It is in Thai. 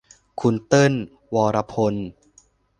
คุณเติ้ล วรภพ